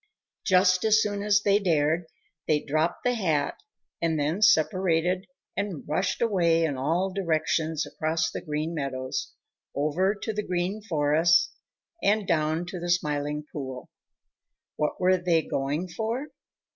Just as soon as they dared, they dropped the hat and then separated and rushed away in all directions across the Green Meadows, over to the Green Forest, and down to the Smiling Pool. What were they going for?